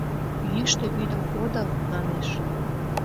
— Йӱштӧ вӱдым подыл, манеш.